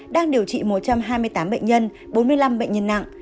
đang điều trị một trăm hai mươi tám bệnh nhân bốn mươi năm bệnh nhân nặng